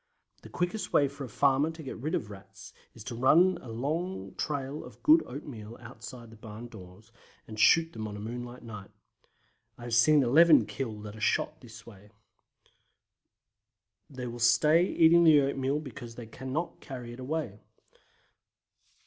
The quickest way for a farmer to get rid of Rats is to run a long trail of good oatmeal outside his barn doors, and shoot them on a moonlight night. I have seen 11 killed at a shot in this way. They will stay eating the oatmeal because they cannot carry it away.